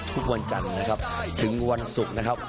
ทุกวันจันทร์นะครับถึงวันศุกร์นะครับ